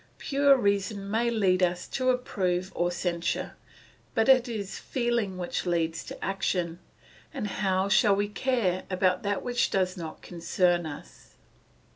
Pure reason may lead us to approve or censure, but it is feeling which leads to action, and how shall we care about that which does not concern us?